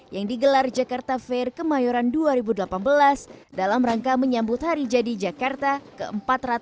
yang digelar jakarta fair kemayoran dua ribu delapan belas dalam rangka menyambut hari jadi jakarta ke empat ratus dua puluh